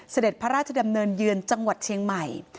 เสด็จพระราชดำเนินเยือนจังหวัดเชียงใหม่